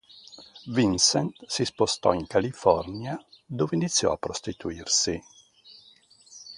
Vincent si spostò in California dove iniziò a prostituirsi.